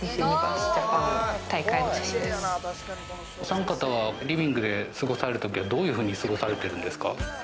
お３方はリビングで過ごすときはどういうふうに過ごされてるんですか？